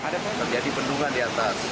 terjadi bendungan di atas